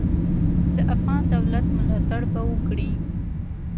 د افغان دولت ملاتړ به وکي.